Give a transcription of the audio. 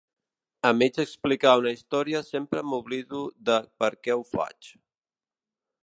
A mig explicar una història sempre m'oblido de per què ho faig.